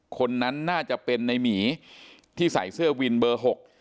คนนั้นน่าจะเป็นในหมีที่ใส่เสื้อวินเบอร์หก